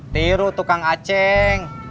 tiru tukang aceng